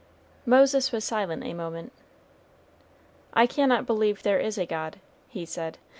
Moses was silent a moment. "I cannot believe there is a God," he said.